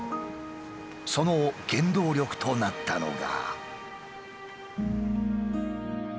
その原動力となったのが。